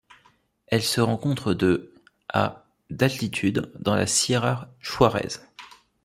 Elle se rencontre de à d'altitude dans la Sierra Juárez.